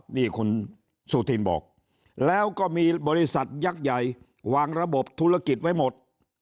นี่คุณสุธินบอกแล้วก็มีบริษัทยักษ์ใหญ่วางระบบธุรกิจไว้หมด